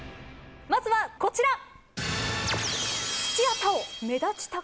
まずはこちら！